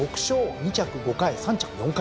２着５回３着４回。